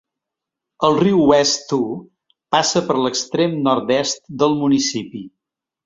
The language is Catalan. El riu West Two passa per l'extrem nord-est del municipi.